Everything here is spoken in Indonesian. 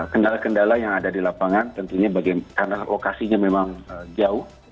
kendala kendala yang ada di lapangan tentunya karena lokasinya memang jauh